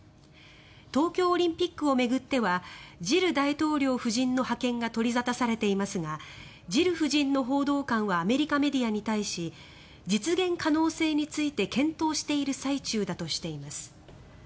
東京オリンピックを巡ってはジル大統領夫人の派遣が取り沙汰されていますがジル夫人の報道官はアメリカメディアに対し実現可能性について検討している最中だとしています。